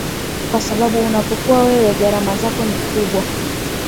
kwa sababu unapokuwa wewe gharama zako ni kubwa